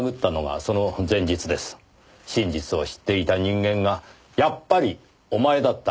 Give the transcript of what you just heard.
真実を知っていた人間が「やっぱりお前だったのか」